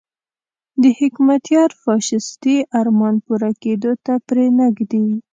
د حکمتیار فاشیستي ارمان پوره کېدو ته پرې نه ږدي.